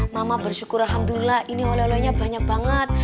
mama bersyukur alhamdulillah ini banyak banget